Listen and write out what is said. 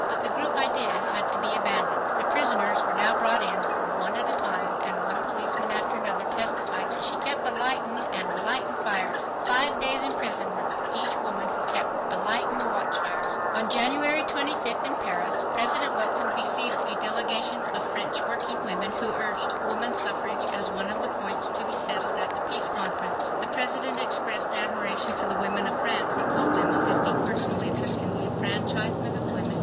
But the group idea had to be abandoned. The prisoners were now brought in one at a time, and one policeman after another testified that, "she kep' alightin' and alightin' fires." Five days' imprisonment for each woman who "kep' alightin'" watchfires! On January 25th, in Paris, President Wilson received a delegation of French working women who urged woman suffrage as one of the points to be settled at the Peace Conf6rence. The President expressed admiration for the women of France, and told them of his deep personal interest in the enfranchisement of women.